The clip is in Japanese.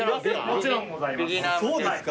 もちろんございます。